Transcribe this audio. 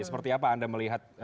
seperti apa anda melihat